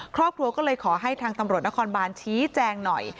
ครอบครัวก็เลยขอให้ทางตำรวจนครบานชี้แจงหน่อย